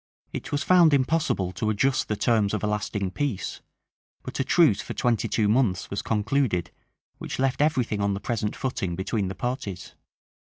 It was found impossible to adjust the terms of a lasting peace; but a truce for twenty two months was concluded, which left every thing on the present footing between the parties.